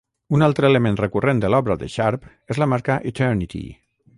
Un altre element recurrent de l'obra de Sharp és la marca "Eternity".